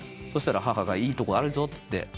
そしたら母がいいとこあるぞって。